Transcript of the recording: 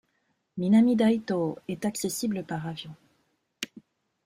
Minamidaitō est accessible par avion.